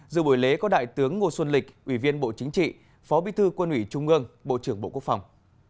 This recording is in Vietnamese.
dự buổi lễ có đại tướng ngô xuân lịch ủy viên bộ chính trị phó bí thư quân ủy trung ương bộ trưởng bộ quốc phòng